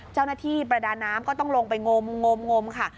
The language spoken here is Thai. เจ้าหน้าที่ประดาน้ำก็ต้องลงไปงมค่ะ